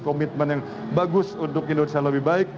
komitmen yang bagus untuk indonesia lebih baik